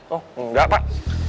oh enggak pak